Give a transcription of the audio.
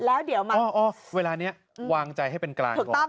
แล้วเดี๋ยวอ๋ออ๋อเวลานี้อืมวางใจให้เป็นกลายก่อนถูกต้อง